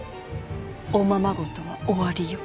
おままごとは終わりよ。